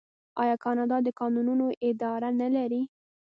آیا کاناډا د کانونو اداره نلري؟